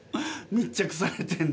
密着されてる。